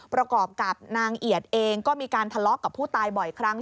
ประกอบกับนางเอียดเองก็มีการทะเลาะกับผู้ตายบ่อยครั้ง